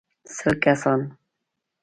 سل کسان.